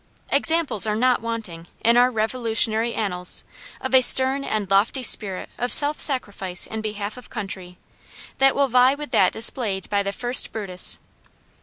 Examples are not wanting, in our Revolutionary annals, of a stern and lofty spirit of self sacrifice in behalf of country, that will vie with that displayed by the first Brutus.